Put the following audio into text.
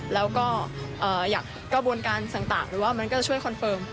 แล้วก็อยากกระบวนการต่างหรือว่ามันก็จะช่วยคอนเฟิร์ม